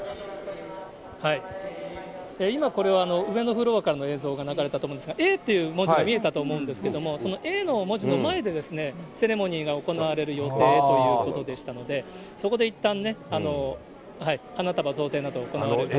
今これは上のフロアからの映像が流れたと思うんですが、Ａという文字が見えたと思うんですが、そのＡの文字の前で、セレモニーが行われる予定ということでしたので、そこでいったんね、花束贈呈など行うと。